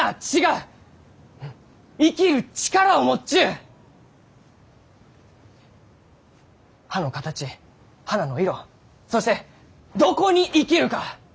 うん生きる力を持っちゅう！葉の形花の色そしてどこに生きるか！